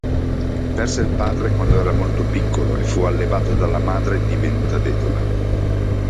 Perse il padre quando era molto piccolo e fu allevato dalla madre divenuta vedova.